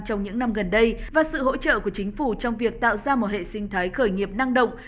trong những năm gần đây và sự hỗ trợ của chính phủ trong việc tạo ra một hệ sinh thái khởi nghiệp năng động